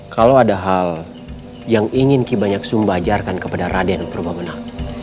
kalau ada hal yang ingin ki banyak sumba ajarkan kepada raden purbamenak